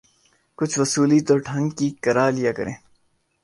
کچھ وصولی تو ڈھنگ کی کرا لیا کریں۔